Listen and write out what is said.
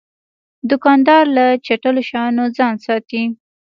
دوکاندار له چټلو شیانو ځان ساتي.